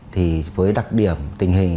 thì với đặc điểm tình hình